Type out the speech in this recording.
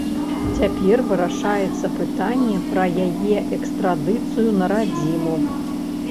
Цяпер вырашаецца пытанне пра яе экстрадыцыю на радзіму.